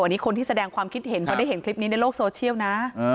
อันนี้คนที่แสดงความคิดเห็นเพราะได้เห็นคลิปนี้ในโลกโซเชียลนะ